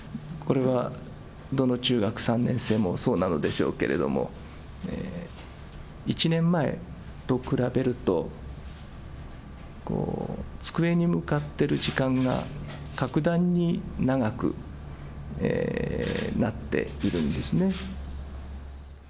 これはどの中学３年生もそうなのでしょうけれども、１年前と比べると、机に向かっている時間が格段に長くなっているんですね。